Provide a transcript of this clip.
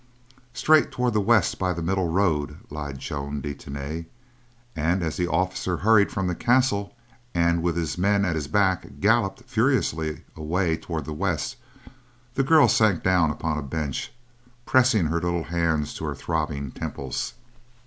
"Straight toward the west by the middle road," lied Joan de Tany. And, as the officer hurried from the castle and, with his men at his back, galloped furiously away toward the west, the girl sank down upon a bench, pressing her little hands to her throbbing temples.